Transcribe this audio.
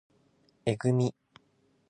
えぐみ